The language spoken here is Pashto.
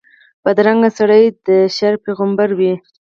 بدرنګه سړی د شر پېغمبر وي